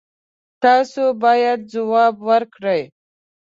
تاسو باید ځواب ورکړئ.